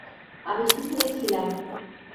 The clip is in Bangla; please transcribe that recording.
আমি সেখানেই ছিলাম।